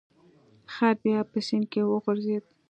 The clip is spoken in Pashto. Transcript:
خر بیا په سیند کې وغورځید.